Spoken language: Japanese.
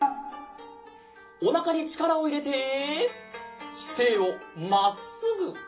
おなかにちからをいれてしせいをまっすぐ！